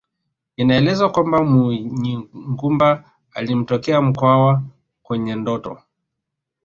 Inaelezwa kwamba Munyigumba alimtokea Mkwawa kwenye ndoto